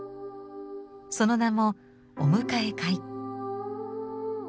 その名も「お迎え会」。